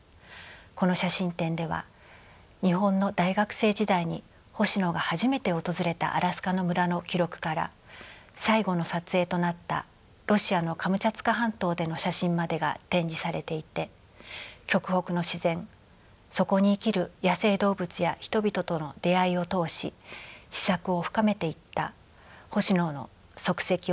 この写真展では日本の大学生時代に星野が初めて訪れたアラスカの村の記録から最後の撮影となったロシアのカムチャツカ半島での写真までが展示されていて極北の自然そこに生きる野生動物や人々との出会いを通し思索を深めていった星野の足跡をたどることができます。